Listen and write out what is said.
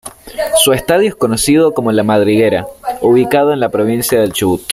Su estadio es conocido como "La Madriguera", ubicado en la Provincia del Chubut.